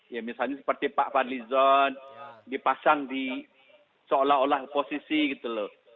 ya misalnya seperti pak fadli zon dipasang di seolah olah oposisi gitu loh